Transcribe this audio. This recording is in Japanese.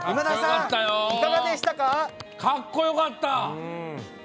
かっこよかった！